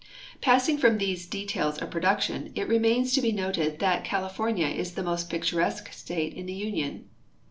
Passing from these details of production, it remains to be noted that California is the most ])icturesque state in the Union.